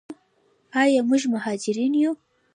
آیا موږ مهاجرین یو؟